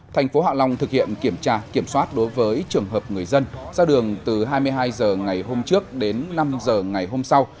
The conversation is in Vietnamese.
thành phố hạ long thực hiện kiểm tra kiểm soát đối với trường hợp người dân ra đường từ hai mươi hai h ngày hôm trước đến năm h ngày hôm sau